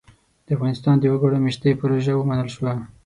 د افغانستان د وګړ مېشتۍ پروژه ومنل شوه.